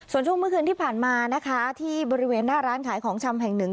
ส่วนช่วงเมื่อคืนที่ผ่านมานะคะที่บริเวณหน้าร้านขายของชำแห่งหนึ่ง